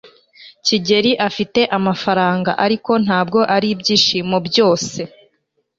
kigeri afite amafaranga. ariko, ntabwo aribyishimo byose